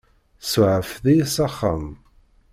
Tsuɛfeḍ-iyi s axxam.